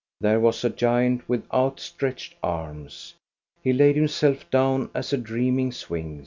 There was a giant with outstretched arms; he laid himself down as a dreaming sphinx.